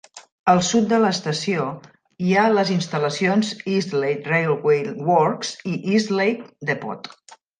Al sud de l'estació hi ha les instal·lacions Eastleigh Railway Works i Eastleigh Depot.